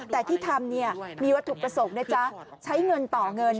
แต่ที่ทำมีวัตถุประสงค์นะจ๊ะใช้เงินต่อเงิน